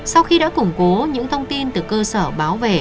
sau khi đã củng cố những thông tin từ cơ sở báo về